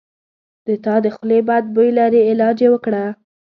د تا د خولې بد بوي لري علاج یی وکړه